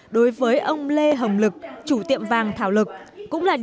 đối với ông lê hồng lực chủ tiệm vàng thảo lực